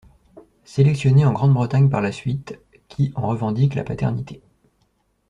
Sélectionnée en Grande-Bretagne par la suite, qui en revendique la paternité.